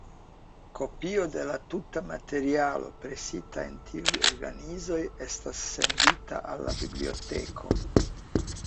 Kopio de la tuta materialo presita en tiuj organizoj estas sendita al la biblioteko.